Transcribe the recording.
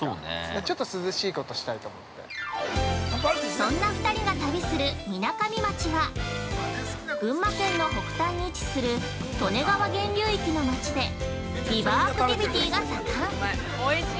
◆そんな２人が旅するみなかみ町は群馬県の北端に位置する利根川源流域の町でリバーアクティビティが盛ん。